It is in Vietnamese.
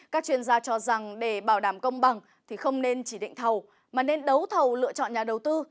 các chuyên gia cho rằng để bảo đảm công bằng thì không nên chỉ định thầu mà nên đấu thầu lựa chọn nhà đầu tư